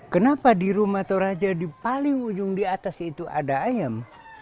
kenapa di rumah toraja di paling ujung di atas itu ada ayam